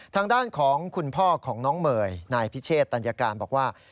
ทางด้านของคุณพ่อของน้องเมย์นายพิเชษตัญญาการบอกว่า